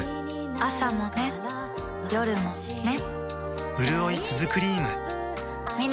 朝もね、夜もね